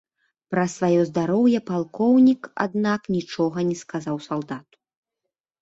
Пра сваё здароўе палкоўнік, аднак, нічога не сказаў салдату.